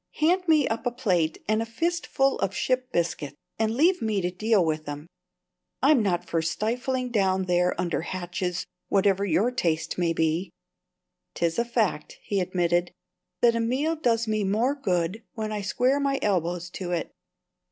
Hand me up a plate and a fistful of ship biscuit, and leave me to deal with 'em. I'm not for stifling down there under hatches, whatever your taste may be." "'Tis a fact," he admitted, "that a meal does me more good when I square my elbows to it."